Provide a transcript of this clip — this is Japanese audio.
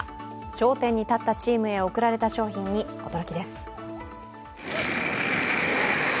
頂点に立ったチームへ贈られた賞品に驚きです。